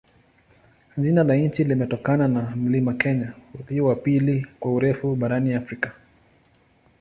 Jina la nchi limetokana na mlima Kenya, ulio wa pili kwa urefu barani Afrika.